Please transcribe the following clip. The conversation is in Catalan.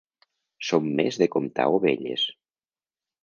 Som més de comptar ovelles.